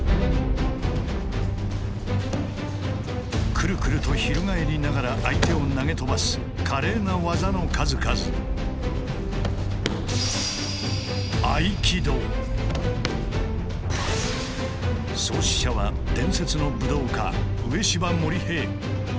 クルクルと翻りながら相手を投げ飛ばす華麗な技の数々創始者は伝説の武道家植芝盛平。